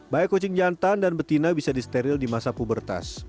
baik kucing jantan dan betina bisa disteril di masa pubertas